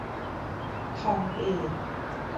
ทองเอก